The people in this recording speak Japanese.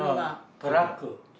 トラック。